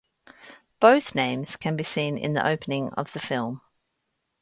Both names can be seen in the opening of the film.